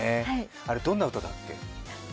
どんな歌だっけ？